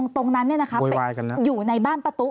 ตรงนั้นเนี่ยนะครับอยู่ในบ้านประตู